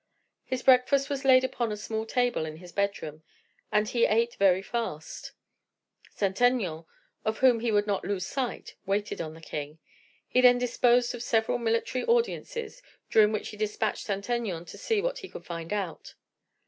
His breakfast was laid upon a small table in his bedroom, and he ate very fast. Saint Aignan, of whom he would not lose sight, waited on the king. He then disposed of several military audiences, during which he dispatched Saint Aignan to see what he could find out.